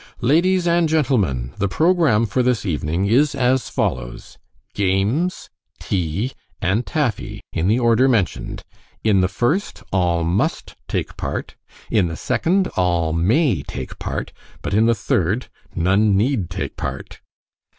"Ladies and gentlemen, the program for this evening is as follows: games, tea, and taffy, in the order mentioned. In the first, all MUST take part; in the second, all MAY take part; but in the third, none NEED take part."